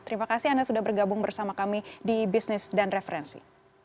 terima kasih anda sudah bergabung bersama kami di bisnis dan referensi